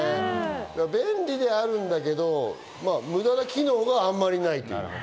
便利ではあるんだけど無駄な機能があんまりないという。